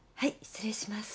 失礼します。